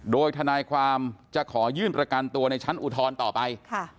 โดยทนายความจะขอยื่นประกันตัวในชั้นอุทธรณ์ต่อไป